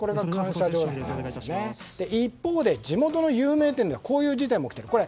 一方で地元の有名店ではこういう事態も起きています。